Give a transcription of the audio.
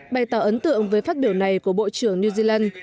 bày tỏ ấn tượng với phát biểu này của bộ trưởng new zealand